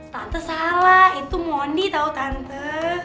tante salah itu mondi tahu tante